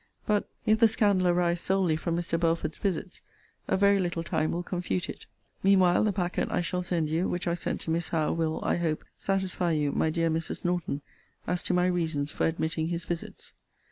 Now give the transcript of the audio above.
But if the scandal arise solely from Mr. Belford's visits, a very little time will confute it. Mean while, the packet I shall send you, which I sent to Miss Howe, will, I hope, satisfy you, my dear Mrs. Norton, as to my reasons for admitting his visits.